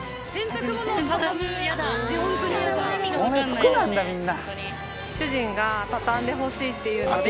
服なんだみんな。